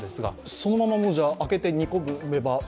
そのまま開けて煮込めば？